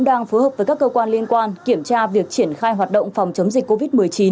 đang phối hợp với các cơ quan liên quan kiểm tra việc triển khai hoạt động phòng chống dịch covid một mươi chín